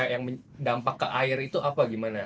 yang dampak ke air itu apa gimana